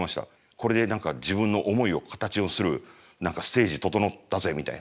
これで何か自分の思いを形をするステージ整ったぜみたいな。